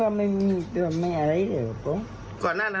ว่ามันไม่เคยรู้เรื่องไม่เคยรู้จักกับมันแหละ